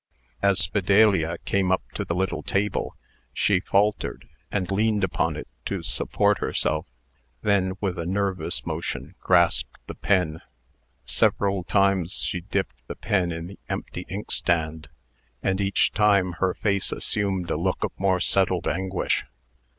As Fidelia came up to the little table, she faltered, and leaned upon it to support herself; then, with a nervous motion, grasped the pen. Several times she dipped the pen in the empty inkstand, and each time her face assumed a look of more settled anguish.